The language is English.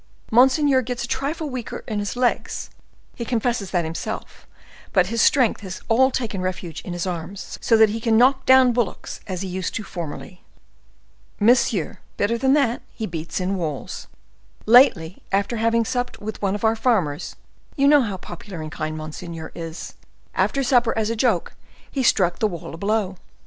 Monseigneur gets a trifle weaker in his legs,—he confesses that himself; but his strength has all taken refuge in his arms, so that—" "So that he can knock down bullocks, as he used to formerly." "Monsieur, better than that—he beats in walls. Lately, after having supped with one of our farmers—you know how popular and kind monseigneur is—after supper, as a joke, he struck the wall a blow.